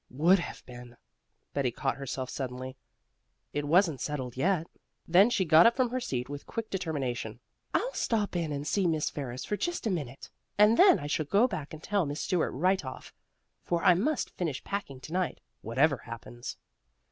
Would have been! Betty caught herself suddenly. It wasn't settled yet. Then she got up from her seat with quick determination. "I'll stop in and see Miss Ferris for just a minute, and then I shall go back and tell Miss Stuart right off, for I must finish packing to night, whatever happens."